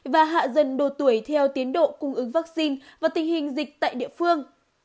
và hạ dần độ tuổi theo tiến độ cung ứng vaccine và tình hình dịch tại địa phương